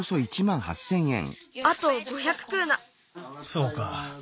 そうか。